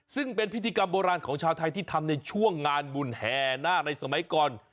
ซึ่งเป็นพิธีกรรมโบราณของชาวไทยที่ทำในช่วงงานบุญแห่นาคในสมัยก่อน